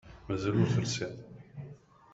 Mazal ur telsiḍ?